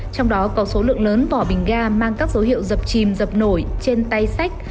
trong đó có số lượng lớn vỏ bình ga mang các dấu hiệu dập chìm dập nổi trên tay sách